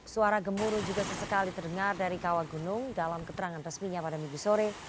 suara gemuruh juga sesekali terdengar dari kawah gunung dalam keterangan resminya pada minggu sore